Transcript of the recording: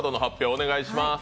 お願いします。